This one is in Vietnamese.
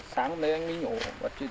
sáng lấy anh đi nhổ